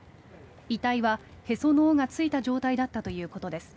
遺体はへその緒がついた状態だったということです。